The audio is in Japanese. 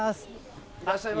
いらっしゃいませ。